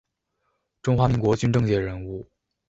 中华民国军政界人物。